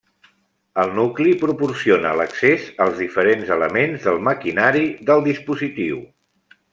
El nucli proporciona l'accés als diferents elements del maquinari del dispositiu.